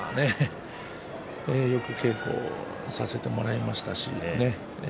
よく稽古をさせてもらいました。